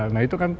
nah itu kan